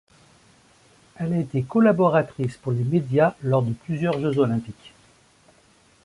Elle a été collaboratrice pour les médias lors de plusieurs Jeux Olympiques.